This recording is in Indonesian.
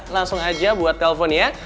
langsung aja buat telpon ya